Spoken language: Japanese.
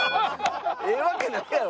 ええわけないやろ。